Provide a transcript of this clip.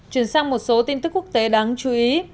chuyển sang một số tin tức quốc tế đáng chú ý